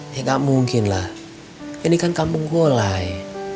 ya gak mungkin lah ini kan kampung golai